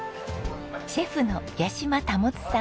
シェフの八島保さん。